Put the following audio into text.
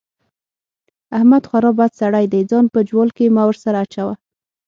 احمد خورا بد سړی دی؛ ځان په جوال کې مه ور سره اچوه.